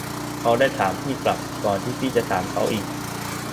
เค้าได้ถามพี่กลับ ก่อนที่พี่จะถามเค้าอีก